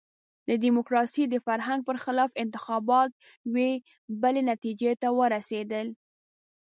د ډیموکراسۍ د فرهنګ برخلاف انتخابات یوې بلې نتیجې ته ورسېدل.